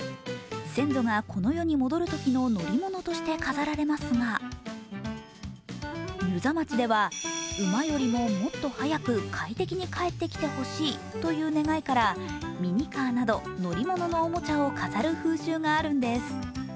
先祖がこの世に戻るときの乗り物として飾られますが遊佐町では馬よりももっと早く快適に帰ってきてほしいという願いからミニカーなど乗り物のおもちゃを飾る風習があるんです。